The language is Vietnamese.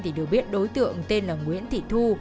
thì được biết đối tượng tên là nguyễn thị thu